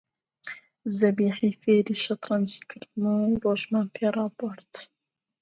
زەبیحی فێرە شەترەنجی کردم و ڕۆژمان پێ ڕادەبوارد